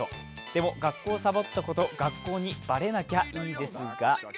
でも、学校サボったこと学校にバレなきゃいいですが。